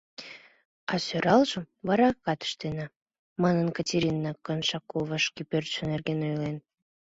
А сӧралжым вараракат ыштена», манын Катерина Коншакова шке пӧртшӧ нерген ойлен.